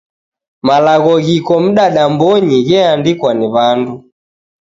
Malagho ghiko mdadambonyi gheandikwa ni w'andu.